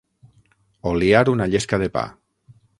Oliar una llesca de pa.